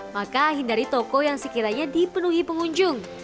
maka hindari toko yang sekiranya dipenuhi pengunjung